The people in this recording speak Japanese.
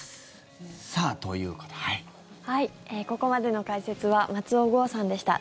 ここまでの解説は松尾豪さんでした。